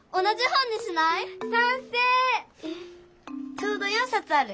ちょうど４さつある！